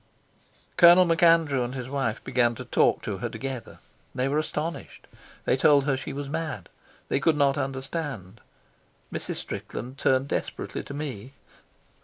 Colonel MacAndrew and his wife began to talk to her together. They were astonished. They told her she was mad. They could not understand. Mrs. Strickland turned desperately to me.